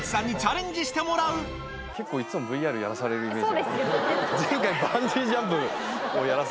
結構いつもＶＲやらされるイメージ。